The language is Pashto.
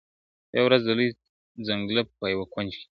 يوه ورځ د لوى ځنگله په يوه كونج كي!!